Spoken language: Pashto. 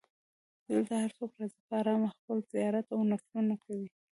دلته هر څوک راځي په ارامه خپل زیارت او نفلونه کوي.